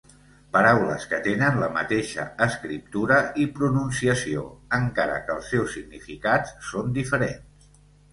Paraules que tenen la mateixa escriptura i pronunciació, encara que els seus significats són diferents.